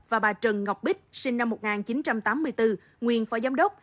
và bà trần ngọc bích sinh năm một nghìn chín trăm tám mươi bốn nguyên phó giám đốc